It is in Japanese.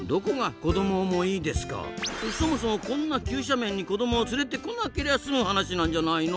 そもそもこんな急斜面に子どもを連れてこなけりゃすむ話なんじゃないの？